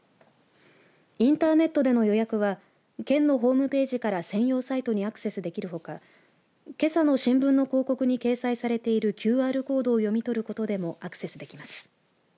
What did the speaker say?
インターネットでの予約は県のホームページから専用サイトにアクセスできるほかけさの新聞の広告に掲載されているＱＲコードを読み取ることでもアクセスできます。